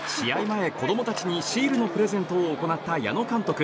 前、子供たちにシールのプレゼントを行った矢野監督。